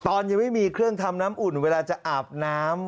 ตอนยังไม่มีเครื่องทำน้ำอุ่นเวลาจะอาบน้ำ